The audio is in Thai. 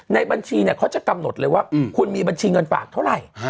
ในบัญชีเนี่ยเขาจะกำหนดเลยว่าคุณมีบัญชีเงินฝากเท่าไหร่